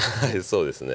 そうですね。